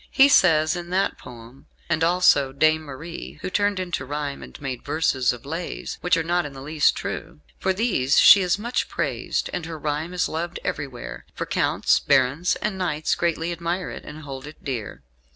He says, in that poem, "And also Dame Marie, who turned into rhyme and made verses of 'Lays' which are not in the least true. For these she is much praised, and her rhyme is loved everywhere; for counts, barons, and knights greatly admire it, and hold it dear.